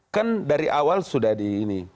kan dari awal sudah di ini